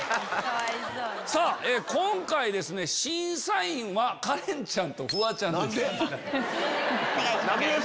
さぁ今回審査員はカレンちゃんとフワちゃん。